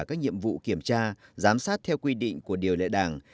các nhiệm vụ kiểm tra giám sát theo quy định của điều lệ đảng